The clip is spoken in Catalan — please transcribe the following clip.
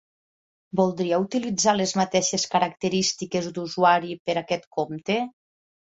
Voldria utilitzar les mateixes característiques d'usuari per aquest compte?